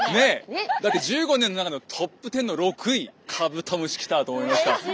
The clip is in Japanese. だって１５年の中のトップ１０の６位カブトムシ来たと思いました。